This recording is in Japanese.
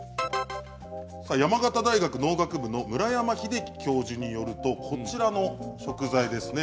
山形大学農学部の村山秀樹教授によるとこちらの食材ですね